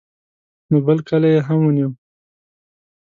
نو بل کلی یې هم ونیو.